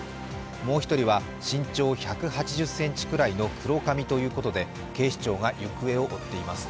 もう１人は、身長１８０ｃｍくらいの黒髪ということで、警視庁が行方を追っています。